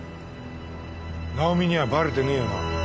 奈緒美にはバレてねえよな？